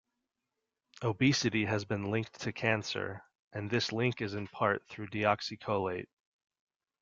Obesity has been linked to cancer, and this link is in part through deoxycholate.